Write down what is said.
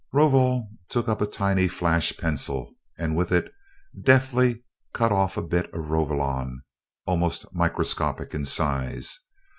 Rovol took up a tiny flash pencil, and with it deftly cut off a bit of Rovolon, almost microscopic in size.